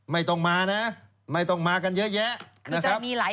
ไม่ต้องมานะไม่ต้องมากันเยอะแยะนะครับ